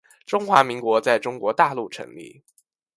中华民国在中国大陆成立